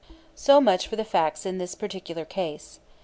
So much for the facts in this particular case.